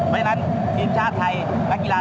เทียมชาติไทยนักกีฬา